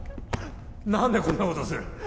何でこんなことをする？